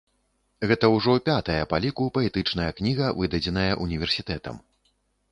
Гэта ўжо пятая па ліку паэтычная кніга, выдадзеная універсітэтам.